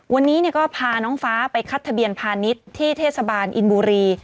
วันนี้ก็พาน้องฟ้าไปคัดทะเบียนพาณิชย์ที่เทศบาลอินบุรี